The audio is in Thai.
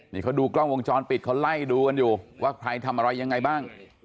นี่เขาดูกล้องวงจรปิดเขาไล่ดูกันอยู่ว่าใครทำอะไรยังไงบ้าง